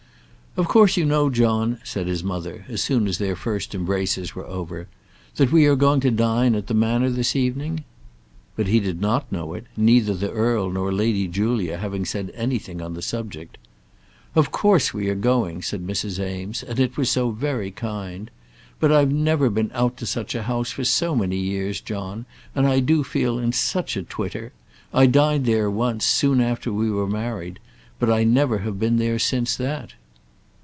"Of course you know, John," said his mother, as soon as their first embraces were over, "that we are going to dine at the Manor this evening?" But he did not know it, neither the earl nor Lady Julia having said anything on the subject. "Of course we are going," said Mrs. Eames, "and it was so very kind. But I've never been out to such a house for so many years, John, and I do feel in such a twitter. I dined there once, soon after we were married; but I never have been there since that."